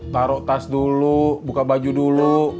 taruh tas dulu buka baju dulu